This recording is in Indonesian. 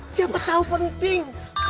siapa tau penting